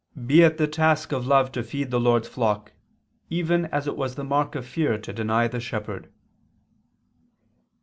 "Be it the task of love to feed the Lord's flock, even as it was the mark of fear to deny the Shepherd."